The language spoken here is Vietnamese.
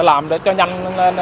làm cho nhanh lên